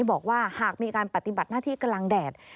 บอกว่าหากมีการปฏิบัติหน้าที่กำลังแดด